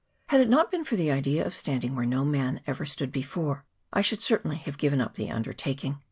Had it not been for the idea of standing where no man ever stood before, I should CHAP. XXIV.] OP TONGARIRO. 353 certainly have given up the undertaking.